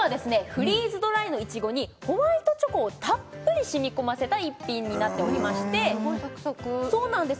フリーズドライのいちごにホワイトチョコをたっぷり染み込ませた一品になっておりましてすごいサクサクそうなんです